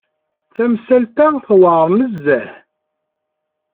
Tamsalt-a tewεer nezzeh.